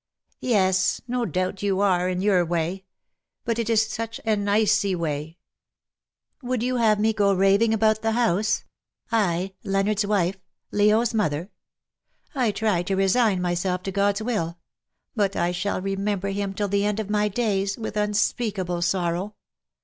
" Yes, no doubt you are, in your way ; but it is such an icy way.'' 40 "yours on MONDAY, GOD's TO DAY." " Would you have me go raving about the house — 1, Leonardos wife, Leo's mother ? I try to resign myself to God's will : but I shall remember him till the end of my days, with unspeakable sorrow.